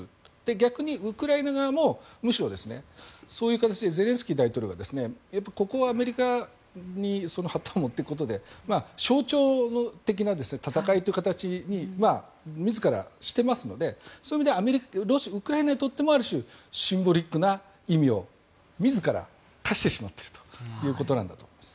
逆にウクライナ側もむしろそういう形でゼレンスキー大統領がここはアメリカに旗を持っていくことで象徴的な戦いという形に自らしてますのでそういう意味ではウクライナにとってもある種、シンボリックな意味を自ら課してしまっているということなんだと思います。